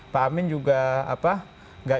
pak amin juga apa